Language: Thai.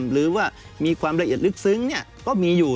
หรือว่ามีความละเอียดลึกซึ้งก็มีอยู่